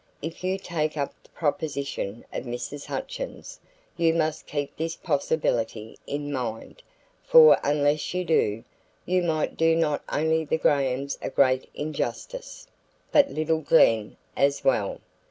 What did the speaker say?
If you take up the proposition of Mrs. Hutchins, you must keep this possibility in mind, for unless you do, you might do not only the Grahams a great injustice, but little Glen as well.